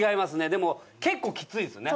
でも結構きついですね。